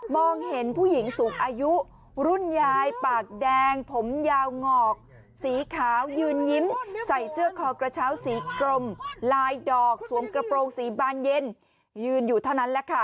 แมงผมยาวงอกสีขาวยืนยิ้มใส่เสื้อคอกระเช้าสีกลมลายดอกสวมกระโปรงสีบานเย็นยืนอยู่เท่านั้นแหละค่ะ